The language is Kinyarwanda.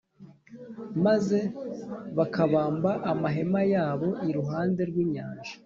maze bakabamba amahema yabo iruhande rw’inyanja.